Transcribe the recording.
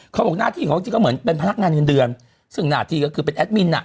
เขาบอกหน้าที่ของจริงก็เหมือนเป็นพนักงานเงินเดือนซึ่งหน้าที่ก็คือเป็นแอดมินอ่ะ